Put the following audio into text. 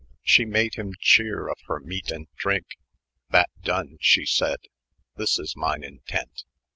She made hym chere of her meat and drjmke. ,] That doone, she sayd, "this is myne intent.